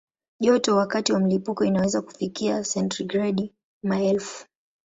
Joto wakati wa mlipuko inaweza kufikia sentigredi maelfu.